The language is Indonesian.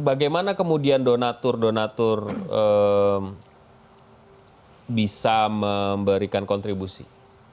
bagaimana kemudian donatur donatur bisa memberikan kontribusi